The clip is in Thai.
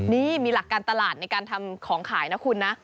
นี่มีหลักการตลาดในการทำของขายนะคุณนะ